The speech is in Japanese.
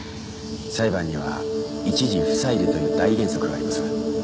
裁判には一事不再理という大原則があります。